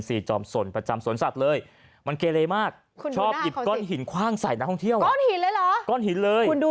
สี่จอบสนประจำสนสัตว์เลยมันเกะเลมากคุณห้อคอหินควางใส้นะองค์เที่ยวออกเลยออกเลยคุณดู